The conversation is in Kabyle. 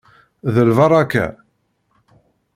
D lbaṛaka!